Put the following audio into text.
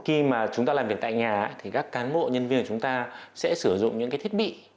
khi chúng ta làm việc tại nhà các cán bộ nhân viên của chúng ta sẽ sử dụng những thiết bị